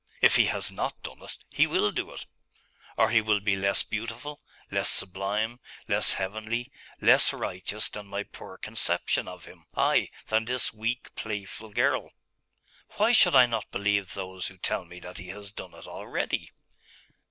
If He has not done it, He will do it: or He will be less beautiful, less sublime, less heavenly, less righteous than my poor conception of Him, ay, than this weak playful girl! Why should I not believe those who tell me that He has done it already?